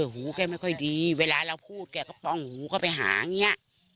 หูแกไม่ค่อยดีเวลาเราพูดแกก็ป้องหูเข้าไปหาอย่างนี้